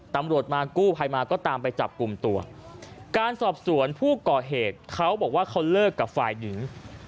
ตำรวจมากู้ภัยมาก็ตามไปจับกลุ่มตัวการสอบสวนผู้ก่อเหตุเขาบอกว่าเขาเลิกกับฝ่ายหญิง